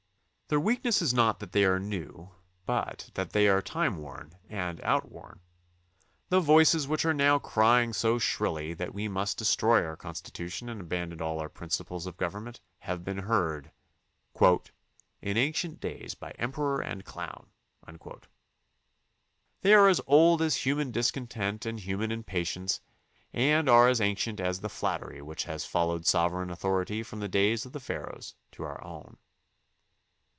Their weakness is not that they are new but that they are timeworn and outworn. The voices which are now crying so shrilly that we must destroy our Constitution and abandon all our principles of government have been heard —" In ancient days by Emperor and clown." They are as old as human discontent and human impatience and are as ancient as the flattery which has followed sovereign authority from the days of the Pharaohs to our own.